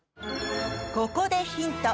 ここでヒント！